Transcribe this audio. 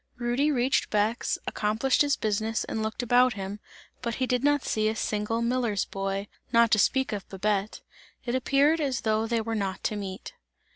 Rudy reached Bex, accomplished his business and looked about him, but he did not see a single miller's boy, not to speak of Babette. It appeared as though they were not to meet.